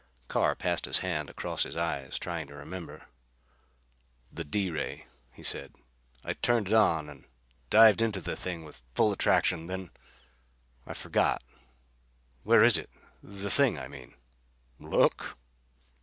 Carr passed his hand across his eyes, trying to remember. "The D ray," he said. "I turned it on and dived into the thing with full attraction. Then I forget. Where is it the thing, I mean?" "Look!"